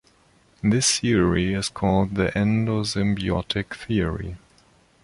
This theory is called the endosymbiotic theory.